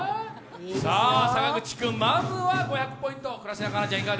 さあ坂口君、まずは５００ポイント。